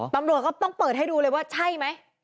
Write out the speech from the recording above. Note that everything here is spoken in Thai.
ตำรวจก็ต้องเปิดให้ดูเลยว่าใช่ไหม